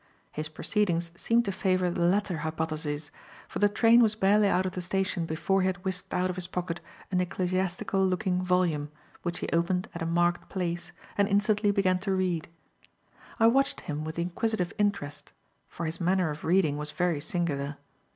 His proceedings seemed to favour the latter hypothesis, for the train was barely out of the station before he had whisked out of his pocket an ecclesiastical looking volume, which he opened at a marked place, and instantly began to read. I watched him with inquisitive interest, for his manner of reading was very singular.